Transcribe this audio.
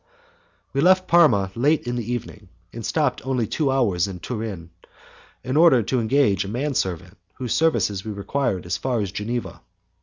We left Parma late in the evening, and stopped only two hours in Turin, in order to engage a manservant whose services we required as far as Geneva.